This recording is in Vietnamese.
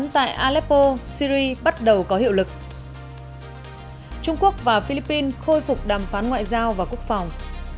trung quốc và philippines khôi phục đàm phán ngoại giao và quốc phòng